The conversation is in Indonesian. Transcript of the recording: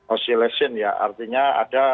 oscillation artinya ada